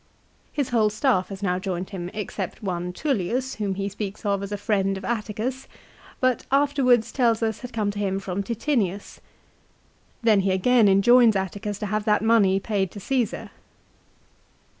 * His whole staff has now joined him except one Tullius whom he speaks of as a friend of Atticus, but afterwards tells us had come to him from Titinius. Then he again enjoins Atticus to have that money paid to Csesar.